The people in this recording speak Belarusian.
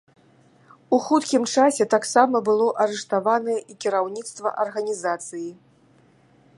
У хуткім часе таксама было арыштаванае і кіраўніцтва арганізацыі.